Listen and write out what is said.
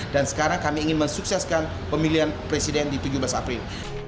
dan sekarang kami ingin mensukseskan pemilihan presiden di tujuh belas april